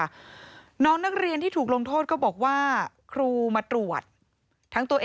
ครูก็เลยบังคับให้ถอดชุดชั้นในออกค่ะแล้วก็ยึดชุดชั้นในเอาไว้